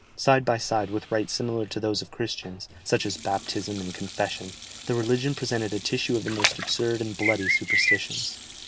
Side by side with rites similar to those of Christians, such as baptism and confession, the religion presented a tissue of the most absurd and bloody superstitions.